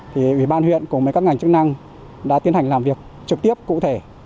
thì ủy ban huyện cùng với các ngành chức năng đã tiến hành làm việc trực tiếp cụ thể